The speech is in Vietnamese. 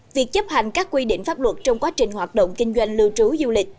việc chấp hành các quy định pháp luật trong quá trình hoạt động kinh doanh lưu trú du lịch